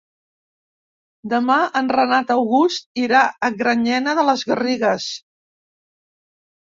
Demà en Renat August irà a Granyena de les Garrigues.